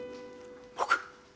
僕？